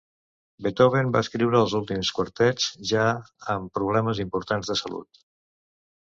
Beethoven va escriure els últims quartets ja amb problemes importants de salut.